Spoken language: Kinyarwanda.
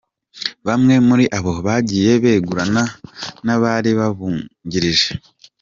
Bamwe muri abo bagiye begurana n’abari babungirije.